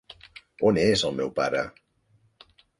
On és el meu pare?